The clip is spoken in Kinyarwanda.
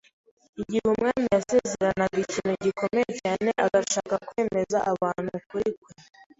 igihe umwami yasezeranaga ikintu gikomeye cyane agashaka kwemeza abantu ukuri kwe,